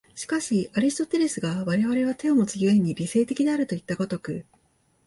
しかしアリストテレスが我々は手をもつ故に理性的であるといった如く